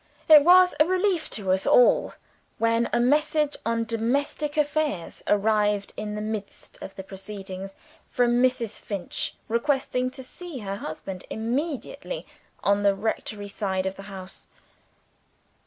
It was a relief to us all, when a message on domestic affairs arrived in the midst of the proceedings from Mrs. Finch, requesting to see her husband immediately on the rectory side of the house.